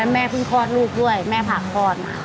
แล้วแม่เพิ่งพอดลูกด้วยแม่ผักพอด